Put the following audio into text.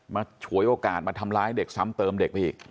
ฉวยโอกาสมาทำร้ายเด็กซ้ำเติมเด็กไปอีก